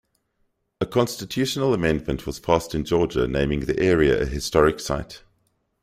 A constitutional amendment was passed in Georgia naming the area a historic site.